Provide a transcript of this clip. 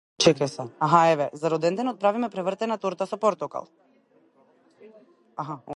За роденденот правиме превртена торта со портокал.